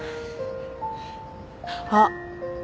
あっ。